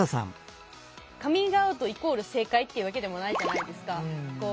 カミングアウトイコール正解っていうわけでもないじゃないですか。